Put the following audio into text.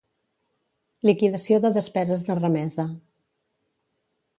Liquidació de despeses de remesa